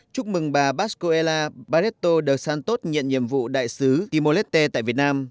chúc mừng bà pascoella barreto de santos nhận nhiệm vụ đại sứ timolete tại việt nam